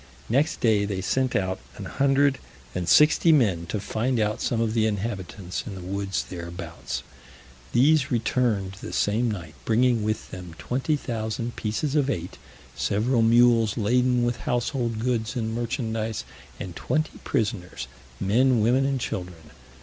Next day they sent out an hundred and sixty men to find out some of the inhabitants in the woods thereabouts. These returned the same night, bringing with them 20,000 pieces of eight, several mules laden with household goods and merchandise, and twenty prisoners, men, women, and children.